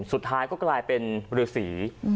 สุดท้ายก็กลายเป็นฤษี